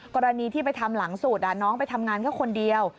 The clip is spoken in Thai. กรณีที่ไปทำหลังสุดน้องไปทำงานแค่คนเดียว